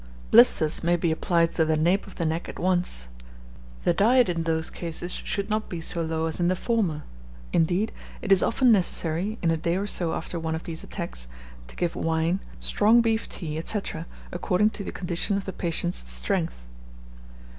Blisters may be applied to the nape of the neck at once. The diet in those cases should not be so low as in the former indeed, it is often necessary, in a day or so after one of these attacks, to give wine, strong beef tea, &c., according to the condition of the patient's strength.